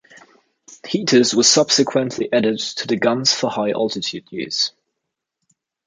Heaters were subsequently added to the guns for high-altitude use.